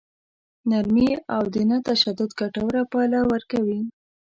نرمي او نه تشدد ګټوره پايله ورکوي.